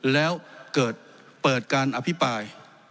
แล้วเกิดเปิดการอภิปราย